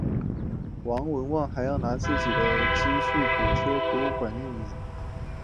王文旺还要另拿自己的积蓄补贴博物馆运营。